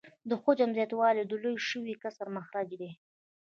د حجم زیاتوالی د لوی شوي کسر مخرج دی